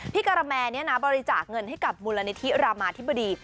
พี่กาลแมร์นี่นะบริจาคเงินให้กับมูลนิธิรามาธิบดี